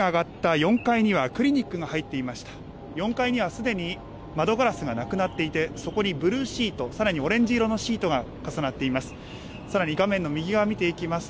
４階にはすでに窓ガラスがなくなっていて、そこにブルーシート、さらにオレンジ色のシートが重なっています。